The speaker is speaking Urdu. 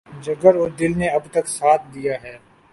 جگر اور دل نے اب تک ساتھ دیا ہے۔